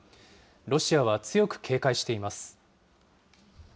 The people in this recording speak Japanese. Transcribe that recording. ロシアは強く警戒しています。